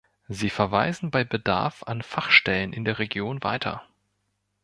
Sie verweisen bei Bedarf an Fachstellen in der Region weiter.